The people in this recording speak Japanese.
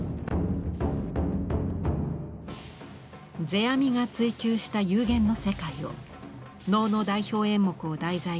世阿弥が追求した「幽玄」の世界を能の代表演目を題材に表現。